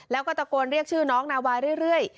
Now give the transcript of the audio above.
แล้วก็ตะโกนเรียกชื่อน้องนาวาเรื่อย